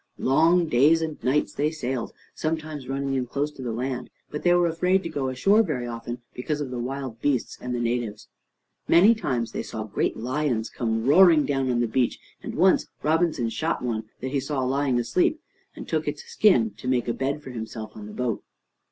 Long days and nights they sailed, sometimes running in close to the land, but they were afraid to go ashore very often, because of the wild beasts and the natives. Many times they saw great lions come roaring down on to the beach, and once Robinson shot one that he saw lying asleep, and took its skin to make a bed for himself on the boat.